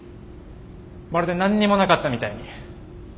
まるで何にもなかったみたいに。